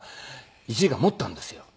１時間持ったんですよ。